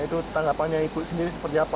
itu tanggapannya ibu sendiri seperti apa